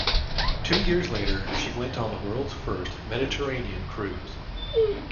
Two years later, she went on the world's first Mediterranean cruise.